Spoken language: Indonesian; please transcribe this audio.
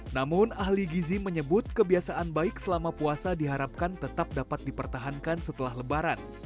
namun ahli gizi menyebut kebiasaan baik selama puasa diharapkan tetap dapat dipertahankan setelah lebaran